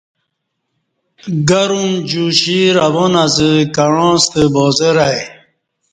گرم جوشی روان ازہ کعاں ستہ بازارآئی